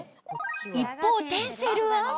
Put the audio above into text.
一方テンセルは？